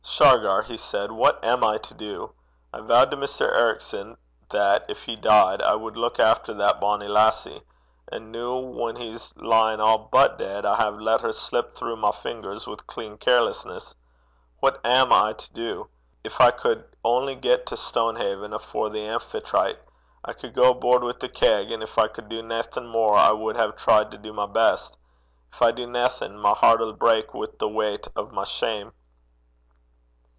'Shargar,' he said, 'what am I to do? I vowed to Mr. Ericson that, gin he deid, I wad luik efter that bonny lassie. An' noo whan he's lyin' a' but deid, I hae latten her slip throu' my fingers wi' clean carelessness. What am I to do? Gin I cud only win to Stonehaven afore the Amphitrite! I cud gang aboord wi' the keg, and gin I cud do naething mair, I wad hae tried to do my best. Gin I do naething, my hert 'll brak wi' the weicht o' my shame.'